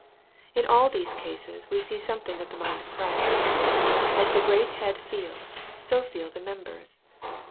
In all these cases we see something of the mind of Christ. As the great Head feels, so feel the members.